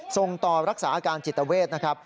ส่งต่อรักษาอาการจิตเวทนะครับ